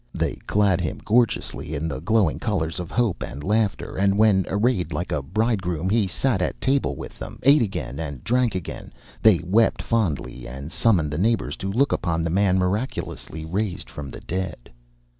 They clad him gorgeously in the glowing colours of hope and laughter, and when, arrayed like a bridegroom, he sat at table with them again, ate again, and drank again, they wept fondly and summoned the neighbours to look upon the man miraculously raised from the dead.